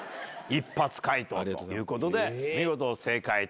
一発解答ということで見事正解。